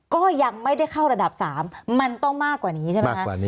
ก็ยังไม่ได้เข้าระดับ๓มันต้องมากกว่านี้ใช่ไหมคะ